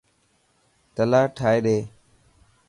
تلا ٺائي ڏي.